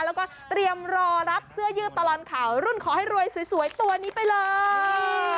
แล้วก็เตรียมรอรับเสื้อยืดตลอดข่าวรุ่นขอให้รวยสวยตัวนี้ไปเลย